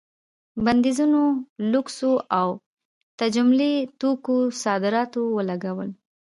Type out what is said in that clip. بندیزونو لوکسو او تجملي توکو صادراتو ولګول.